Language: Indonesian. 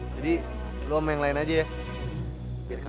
jadi lu om yang lain aja ya